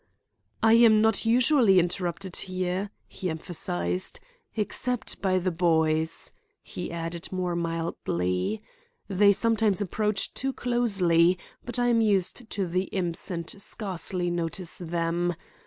"I am not usually interrupted here," he emphasized; "except by the boys," he added more mildly. "They sometimes approach too closely, but I am used to the imps and scarcely notice them.